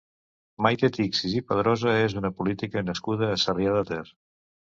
Maite Tixis i Padrosa és una política nascuda a Sarrià de Ter.